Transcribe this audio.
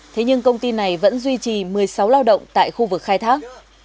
thế nhưng công ty này vẫn duy trì một mươi sáu lao động tại khu vực khai thác